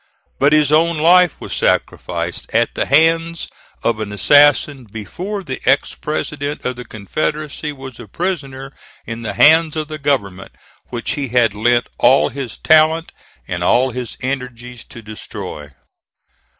But his own life was sacrificed at the hands of an assassin before the ex president of the Confederacy was a prisoner in the hands of the government which he had lent all his talent and all his energies to destroy.